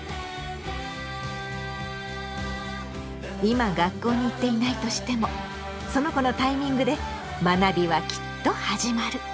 今学校に行っていないとしてもその子のタイミングで学びはきっと始まる。